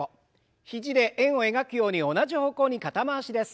肘で円を描くように同じ方向に肩回しです。